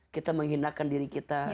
kita menghinakan diri kita